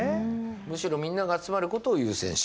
むしろみんなが集まることを優先した。